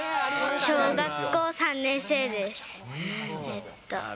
小学校３年生です。